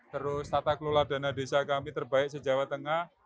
terus tata kelola dana desa kami terbaik se jawa tengah